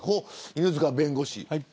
犬塚弁護士。